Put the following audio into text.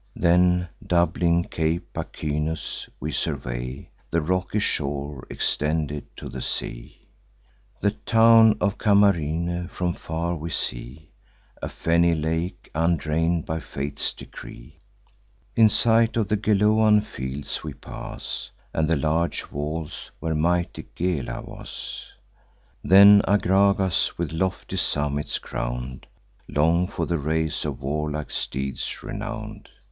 Then, doubling Cape Pachynus, we survey The rocky shore extended to the sea. The town of Camarine from far we see, And fenny lake, undrain'd by fate's decree. In sight of the Geloan fields we pass, And the large walls, where mighty Gela was; Then Agragas, with lofty summits crown'd, Long for the race of warlike steeds renown'd.